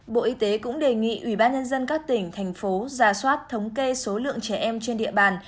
bộ y tế cũng đề nghị ủy ban nhân dân các tỉnh thành phố ra soát thống kê số lượng trẻ em trên địa bàn